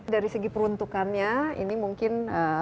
dari segi peruntukannya ini mungkin